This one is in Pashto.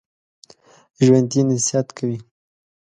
ژوندي نصیحت کوي